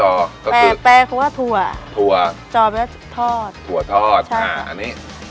ก็คือแปลแปลก็ว่าถั่วถั่วจอแปลว่าทอดถั่วทอดใช่ค่ะอันนี้